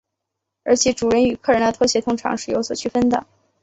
而且主人与客人的拖鞋通常是有所区分的。